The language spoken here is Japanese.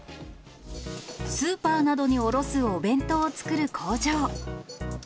スーパーなどに卸すお弁当を作る工場。